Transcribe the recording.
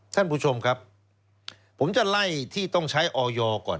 ท่านผู้ชมครับผมจะไล่ที่ต้องใช้ออยก่อน